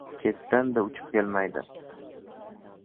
Chetdan-da uchib kelmaydi.